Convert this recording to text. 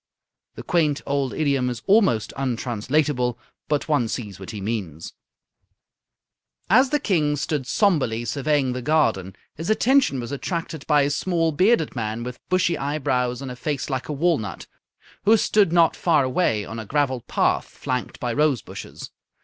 The quaint old idiom is almost untranslatable, but one sees what he means. As the King stood sombrely surveying the garden, his attention was attracted by a small, bearded man with bushy eyebrows and a face like a walnut, who stood not far away on a gravelled path flanked by rose bushes.